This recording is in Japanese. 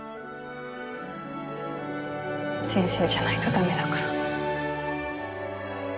先生じゃないと駄目だから。